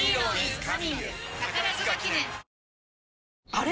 あれ？